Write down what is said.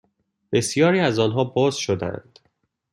بسیاری از آنها باز شدهاند